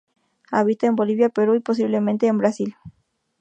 Habita en Bolivia, Perú y posiblemente en Brasil.